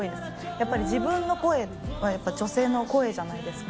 やっぱり自分の声はやっぱり女性の声じゃないですか。